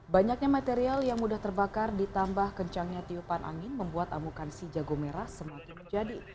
banyaknya material yang mudah terbakar ditambah kencangnya tiupan angin membuat amukan si jago merah semakin menjadi